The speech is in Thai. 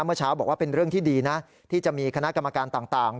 เมื่อเช้าบอกว่าเป็นเรื่องที่ดีนะที่จะมีคณะกรรมการต่าง